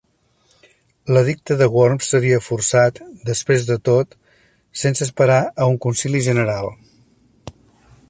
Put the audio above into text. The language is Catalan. L'Edicte de Worms seria forçat, després de tot, sense esperar a un Concili General.